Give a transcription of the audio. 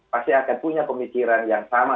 pasti akan punya pemikiran yang sama